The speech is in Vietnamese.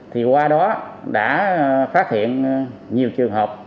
thì qua đó đã phát hiện nhiều trường hợp